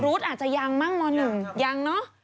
ฮกรุ๊ดอาจจะยังบ้างม๑ยังเนอะ